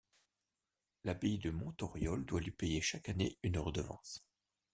L'abbaye de Montauriol doit lui payer chaque année une redevance.